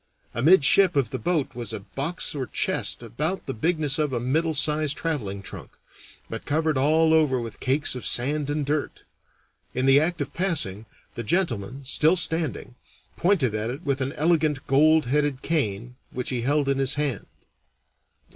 Amidship of the boat was a box or chest about the bigness of a middle sized traveling trunk, but covered all over with cakes of sand and dirt. In the act of passing, the gentleman, still standing, pointed at it with an elegant gold headed cane which he held in his hand.